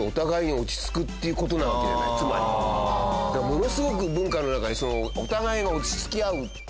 ものすごく文化の中にお互いが落ち着き合うっていう。